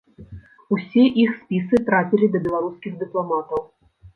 Усе іх спісы трапілі да беларускіх дыпламатаў.